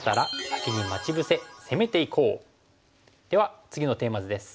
では次のテーマ図です。